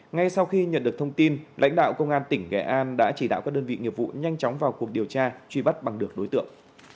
ngay sau khi nhận được thông tin lãnh đạo công an tỉnh nghệ an đã chỉ đạo các đơn vị nghiệp vụ nhanh chóng vào cuộc điều tra truy bắt bằng được đối tượng